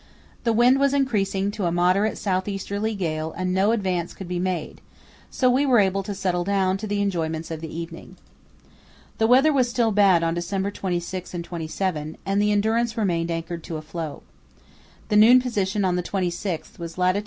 The wind was increasing to a moderate south easterly gale and no advance could be made, so we were able to settle down to the enjoyments of the evening. The weather was still bad on December 26 and 27, and the Endurance remained anchored to a floe. The noon position on the 26th was lat.